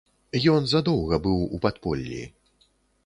Ён задоўга быў у падполлі.